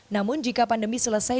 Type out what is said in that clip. namun jika pandemi selesai